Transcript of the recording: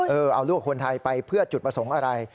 เอาลูกคนไทยไปเพื่อจุดประสงค์อะไร